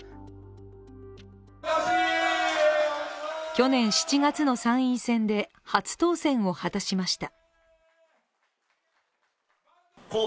去年７月の参院選で初当選を果たしました。